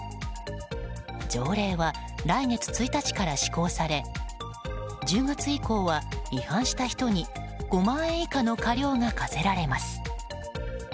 条例は来月１日から施行され１０月以降は、違反した人に５万円以下の過料が科せられます。